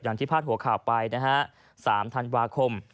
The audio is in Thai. อย่างที่พาดหัวข่าวไปนะฮะ๓ธันวาคม